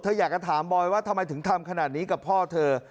อยากจะถามบอยว่าทำไมถึงทำขนาดนี้กับพ่อเธอ